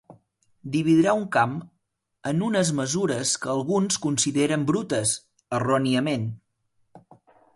Dividirà un camp en unes mesures que alguns consideren brutes, erròniament.